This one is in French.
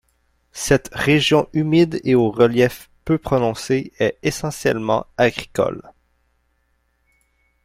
Cette région humide et au relief peu prononcé est essentiellement agricole.